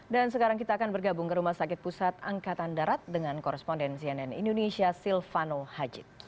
dan sekarang kita akan bergabung ke rumah sakit pusat angkatan darat dengan korresponden cnn indonesia silvano hajid